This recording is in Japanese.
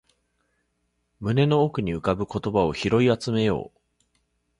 胸の奥に浮かぶ言葉を拾い集めよう